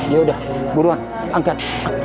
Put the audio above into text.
yaudah buruan angkat